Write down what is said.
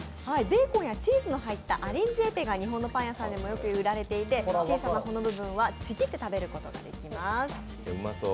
ベーコンやチーズの入ったアレンジエピが日本でもよく売られていて小さなこの部分はちぎって食べることができます。